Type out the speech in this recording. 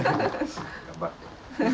頑張って。